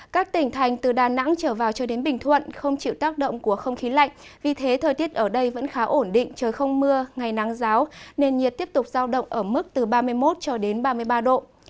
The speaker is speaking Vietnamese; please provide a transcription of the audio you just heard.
các tỉnh thành từ đà nẵng trở vào cho đến bình thuận không chịu tác động của không khí lạnh vì thế thời tiết ở đây vẫn khá ổn định trời không mưa ngày nắng giáo nền nhiệt tiếp tục giao động ở mức từ ba mươi một cho đến ba mươi ba độ